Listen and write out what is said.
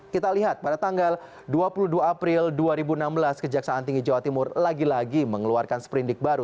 kita lihat pada tanggal dua puluh dua april dua ribu enam belas kejaksaan tinggi jawa timur lagi lagi mengeluarkan seperindik baru